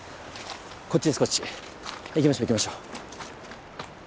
こっちですこっち行きましょう行きましょう。